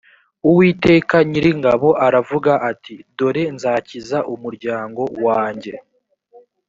uwiteka nyiringabo aravuga ati dore nzakiza umuryango wanjye